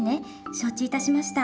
承知いたしました。